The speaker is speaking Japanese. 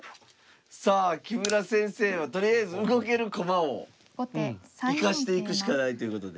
さあ木村先生はとりあえず動ける駒を生かしていくしかないということで。